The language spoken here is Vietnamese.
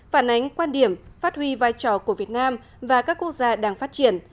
phản ánh quan điểm phát huy vai trò của việt nam và các quốc gia đang phát triển